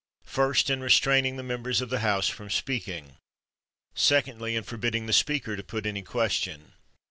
First, in restraining the members of the House from speaking. Secondly, in forbid ding the Speaker to put any question.